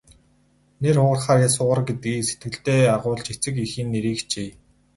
Нэр хугарахаар яс хугар гэдгийг сэтгэлдээ агуулж эцэг эхийн нэрийг хичээе.